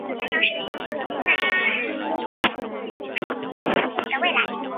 格林尼治宫苑。